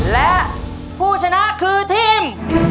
และพู่ชนะก็คือทีม